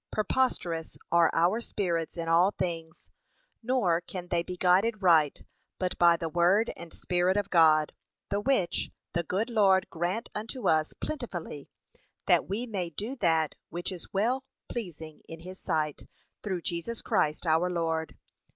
Preposterous are our spirits in all things, nor can they be guided right, but by the word and Spirit of God; the which, the good Lord grant unto us plentifully, that we may do that which is well pleasing in his sight, through Jesus Christ our Lord.